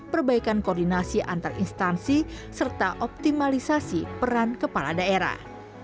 perbaikan koordinasi antar instansi serta optimalisasi peran kepala daerah